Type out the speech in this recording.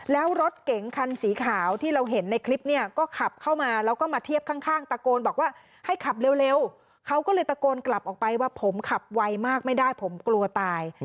แล้วรถเก๋งคันสีขาวที่เราเห็นในคลิปเนี่ยก็ขับเข้ามาแล้วก็มาเทียบข้างตะโกนบอกว่าให้ขับเร็วเขาก็เลยตะโกนกลับออกไปว่าผมขับไวมากไม่ได้ผมกลัวตาย